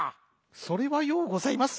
「それはようございます。